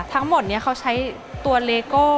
ทั้งหมดนี้เขาใช้ตัวเลโก้